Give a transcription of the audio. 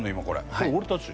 これ俺たち？